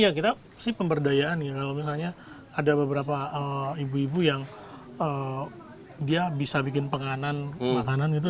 ya kita sih pemberdayaan ya kalau misalnya ada beberapa ibu ibu yang dia bisa bikin penganan makanan gitu